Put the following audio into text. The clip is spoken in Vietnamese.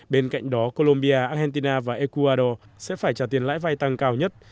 bên cạnh đó colombia argentina và ecuador sẽ phải trả tiền lãi vay tăng cao nhất